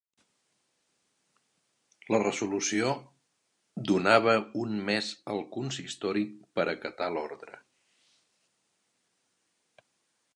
La resolució donava un mes al consistori per acatar l’ordre.